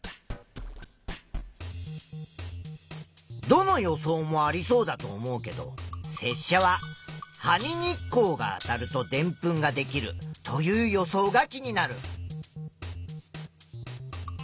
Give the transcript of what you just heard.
どの予想もありそうだと思うけどせっしゃは「葉に日光があたるとでんぷんができる」という予想が気になる。